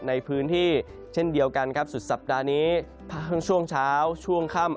ในพื้นที่เช่นเดียวกันครับสุดสัปดาห์นี้ทั้งช่วงเช้าช่วงค่ำ